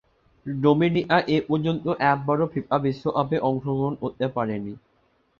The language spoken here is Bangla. ডোমিনিকা এপর্যন্ত একবারও ফিফা বিশ্বকাপে অংশগ্রহণ করতে পারেনি।